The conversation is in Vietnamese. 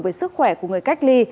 về sức khỏe của người cách ly